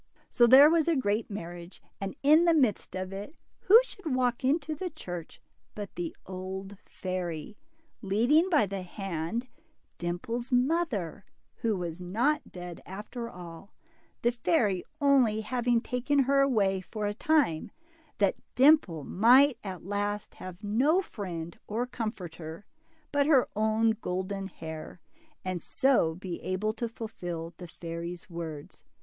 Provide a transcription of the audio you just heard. So there was a great marriage 5 and in the midst of it, who should walk into the church but the old fairy, leading by the hand Dimple's mother, who was not dead after* all, the fairy only having taken her away for a time, that Dimple might at last have no friend or comforter but her own golden hair, and so be able to fulfil the fairy's words.